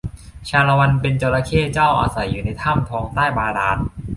ชาละวันเป็นจระเข้เจ้า อาศัยอยู่ในถ้ำทองใต้บาดาล